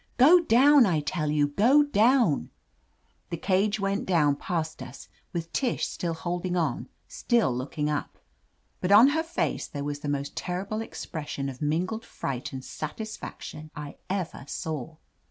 Go down, 1 tell youl Go down r The cage went down past us, with Tish still holding on, still looking up. But on her face there was the most terrible expression of min gled fright and satisfaction I ever saw.